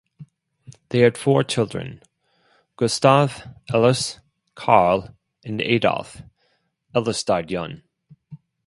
They had four children, Gustav, Elis, Karl and Adolf; Elis died young.